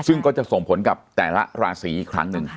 ซึ่งก็จะส่งผลกับแต่ละราศีอีกครั้งหนึ่ง